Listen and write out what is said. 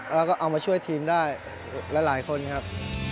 แล้วก็เอามาช่วยทีมได้หลายคนครับ